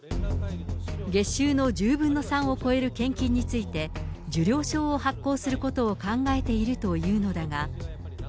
月収の１０分の３を超える献金について、受領証を発行することを考えているというのだが。